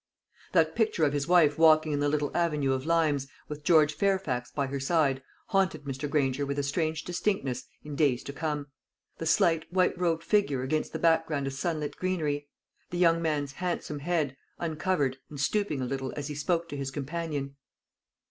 That picture of his wife walking in the little avenue of limes, with George Fairfax by her side, haunted Mr. Granger with a strange distinctness in days to come, the slight white robed figure against the background of sunlit greenery; the young man's handsome head, uncovered, and stooping a little as he spoke to his companion.